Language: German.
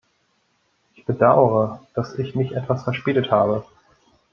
Ich bedauere, dass ich mich etwas verspätet habe.